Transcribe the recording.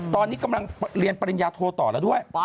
ตอนนี้กำลังเรียนปริญญาโทต่อแล้วด้วย